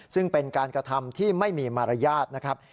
ซึ่งเป็นการกระทำที่ไม่มีมารยาทนะครับ